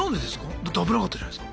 だって危なかったじゃないすか。